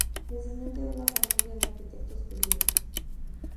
Descendiente de una familia de arquitectos judíos.